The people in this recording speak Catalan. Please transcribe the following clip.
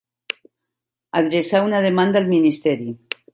Adreçar una demanda al ministeri.